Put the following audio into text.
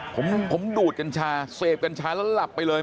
ผมดูดกัญชาเสพกัญชาแล้วหลับไปเลย